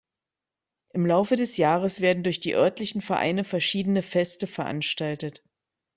Im Laufe des Jahres werden durch die örtlichen Vereine verschiedene Feste veranstaltet.